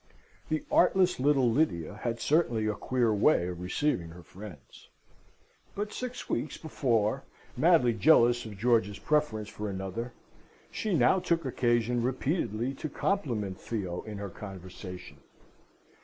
The artless little Lydia had certainly a queer way of receiving her friends. But six weeks before madly jealous of George's preference for another, she now took occasion repeatedly to compliment Theo in her conversation.